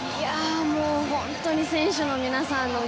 本当に選手の皆さん